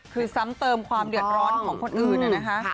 คือซ้ำเติมความเดือดร้อนของคนอื่นนะคะ